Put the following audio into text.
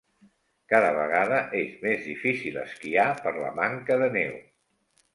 Cada vegada és més difícil esquiar per la manca de neu.